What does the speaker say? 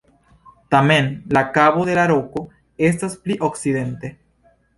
Tamen, la Kabo de la Roko estas pli okcidente.